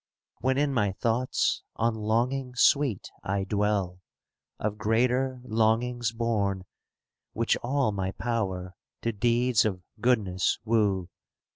When in my thoughts on longing sweet I dwell. Of greater longings born, ^ Which all my power to deeds of goodness woo.